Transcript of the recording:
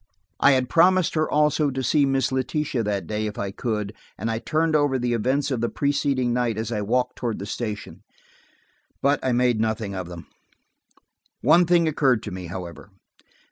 I had promised her also to see Miss Letitia that day if I could, and I turned over the events of the preceding night as I walked toward the station, but I made nothing of them. One thing occurred to me, however.